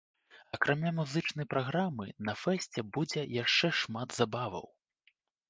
Акрамя музычнай праграмы на фэсце будзе яшчэ шмат забаваў.